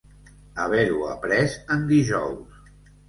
Haver-ho après en dijous.